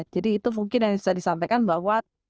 jadi itu mungkin yang bisa disampaikan bahwa